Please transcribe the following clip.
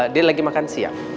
dia lagi makan siang